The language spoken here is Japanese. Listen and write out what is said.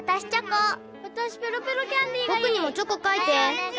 ぼくにもチョコかいて。